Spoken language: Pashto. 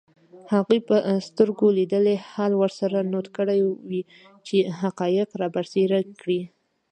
هغوی به سترګو لیدلی حال ورسره نوټ کړی وي چي حقایق رابرسېره کړي